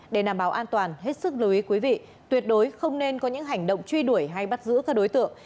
để đảm bảo an toàn hết sức lưu ý quý vị tuyệt đối không nên có những hành động truy đuổi hay bắt giữ các đối tượng